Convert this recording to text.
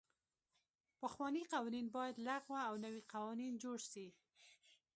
پخواني قوانین باید لغوه او نوي قوانین جوړ سي.